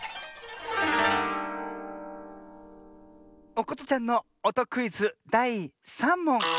おことちゃんのおとクイズだい３もん。